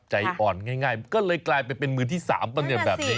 ใจอ่อนง่ายก็เลยกลายเป็นมือที่๓ประเด็นแบบนี้